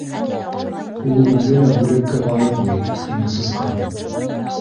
—Ул үҙе лә бүләккә лайыҡ бит, —тине Сысҡан.